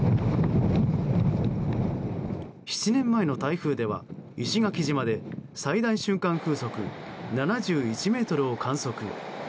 ７年前の台風では、石垣島で最大瞬間風速７１メートルを観測。